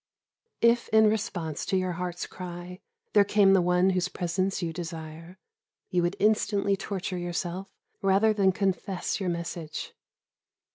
If in response to your heart's cry there came the one whose presence you desire, you would instantly torture yourself rather than confess your message.